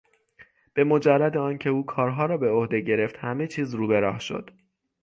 به مجرد آن که او کارها را به عهده گرفت همه چیز روبراه شد.